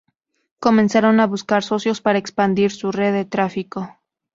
Comenzaron a buscar socios para expandir su red de tráfico.